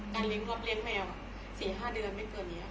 การเลี้ยงรับเลี้ยงแมว๔๕เดือนไม่เกินเยอะค่ะ